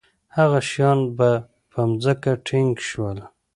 هغه شیان به په ځمکه ټینګ شول.